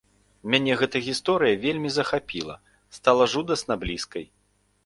Мяне гэтая гісторыя вельмі захапіла, стала жудасна блізкай.